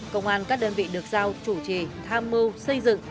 công an các đơn vị được giao chủ trì tham mưu xây dựng